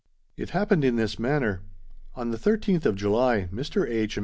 It happened in this manner. On the 13th of July, Mr. H.